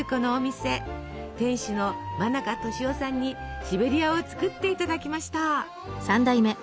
店主の馬中俊夫さんにシベリアを作っていただきました。